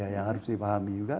ya harus dipahami juga